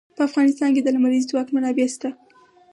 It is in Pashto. په افغانستان کې د لمریز ځواک منابع شته.